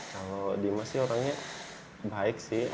kalau dima sih orangnya baik sih